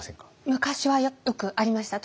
昔はよくありました。